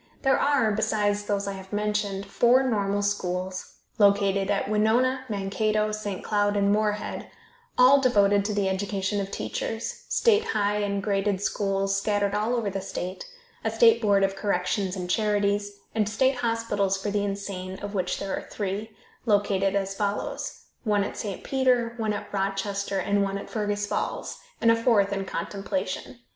There are, besides those I have mentioned, four normal schools (located at Winona, Mankato, St. Cloud and Moorhead), all devoted to the education of teachers, state high and graded schools scattered all over the state, a state board of corrections and charities, and state hospitals for the insane (of which there are three), located as follows: One at St. Peter, one at Rochester, and one at Fergus Falls, and a fourth in contemplation.